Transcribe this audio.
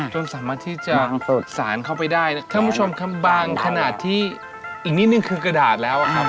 จนสามารถที่จะเปิดสารเข้าไปได้นะครับท่านผู้ชมครับบางขนาดที่อีกนิดนึงคือกระดาษแล้วครับ